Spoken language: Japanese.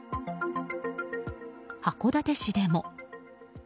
函館市でも。